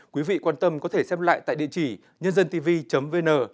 quý vị quan tâm có thể xem lại tại địa chỉ nhândântv vn